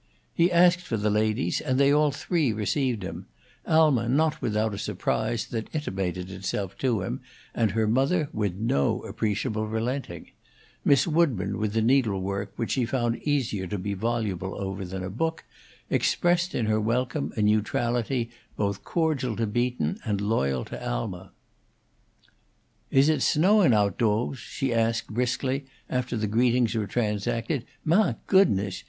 He asked for the ladies, and they all three received him, Alma not without a surprise that intimated itself to him, and her mother with no appreciable relenting; Miss Woodburn, with the needlework which she found easier to be voluble over than a book, expressed in her welcome a neutrality both cordial to Beaton and loyal to Alma. "Is it snowing outdo's?" she asked, briskly, after the greetings were transacted. "Mah goodness!"